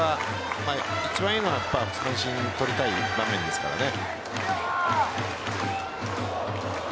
一番良いのは三振を取りたい場面ですからね。